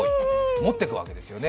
持っていくわけですね。